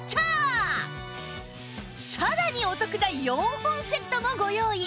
さらにお得な４本セットもご用意！